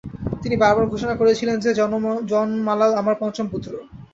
তিনি বারবার ঘোষণা করেছিলেন যে "জনমালাল আমার পঞ্চম পুত্র।